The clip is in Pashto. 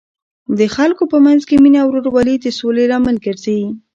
د خلکو په منځ کې مینه او ورورولي د سولې لامل ګرځي.